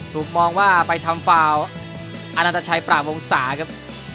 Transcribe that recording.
ถูกลองว่าไปทำฟาล์ลอันดับชายปรากงสารครับ